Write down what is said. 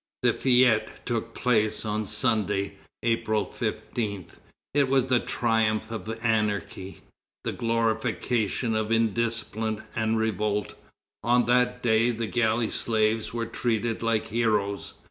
The fête took place on Sunday, April 15. It was the triumph of anarchy, the glorification of indiscipline and revolt. On that day the galley slaves were treated like heroes.